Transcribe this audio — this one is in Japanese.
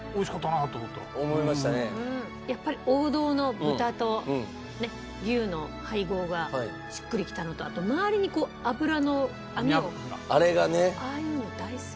やっぱり王道の豚と牛の配合がしっくりきたのとあと周りに脂の網をああいうの大好き！